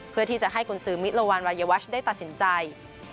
เพื่อที่จะให้กุญสือมิรวรรณวัยวัชได้ตัดสินใจ